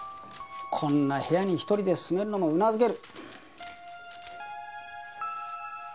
こんな部屋に１人で住めるのも頷ける。